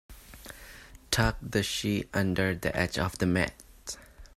Tuck the sheet under the edge of the mat.